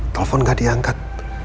telepon gak diangkat